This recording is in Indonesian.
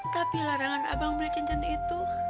tapi larangan abang beli cincin itu